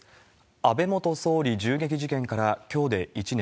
安倍元総理銃撃事件から、きょうで１年。